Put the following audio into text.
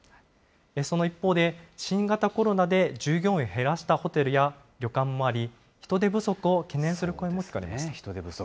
その一方で、新型コロナで従業員を減らしたホテルや旅館もあり、人手不足を懸念する声も聞かれま人手不足。